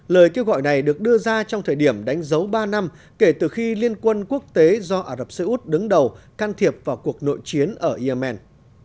lời kêu gọi này được đưa ra trong thời điểm đánh dấu ba năm kể từ khi liên quân quốc tế do ả rập xê út đứng đầu can thiệp vào cuộc nội chiến ở yemen